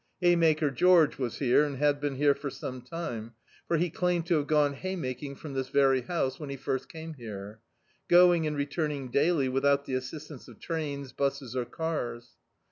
"Haymaker" George was here, and had been here for some time; for he claimed to have gone haymaking frwn this very house, when he first came here; going and returning daily without the assistance of trains, busses or cars.